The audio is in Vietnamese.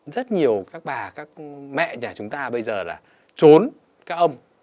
rất nhiều các bà các mẹ nhà chúng ta bây giờ là trốn các ông